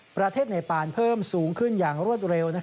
ประเทศเนปานเพิ่มสูงขึ้นอย่างรวดเร็ว